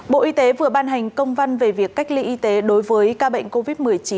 bộ y tế vừa ban hành công văn về việc cách ly y tế đối với ca bệnh covid một mươi chín